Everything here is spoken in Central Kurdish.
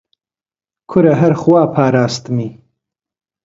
کوڕە هەر خوا پاراستمی